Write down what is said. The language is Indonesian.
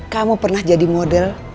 kamu pernah jadi model